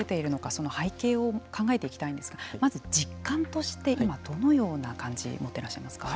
その背景を考えていきたいんですがまず実感として今、どのような感じていらっしゃいますか。